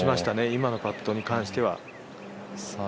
今のパットに関しては。